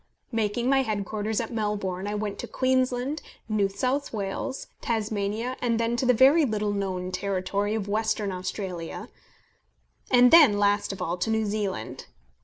Making my head quarters at Melbourne, I went to Queensland, New South Wales, Tasmania, then to the very little known territory of Western Australia, and then, last of all, to New Zealand.